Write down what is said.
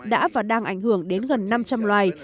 đã và đang ảnh hưởng đến gần năm trăm linh loài